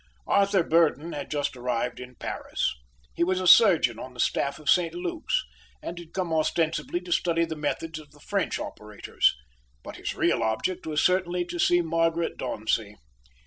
Arthur Burdon had just arrived in Paris. He was a surgeon on the staff of St Luke's, and had come ostensibly to study the methods of the French operators; but his real object was certainly to see Margaret Dauncey.